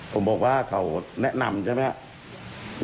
ผมบอกว่าเขาแนะนำใช่ไหมครับ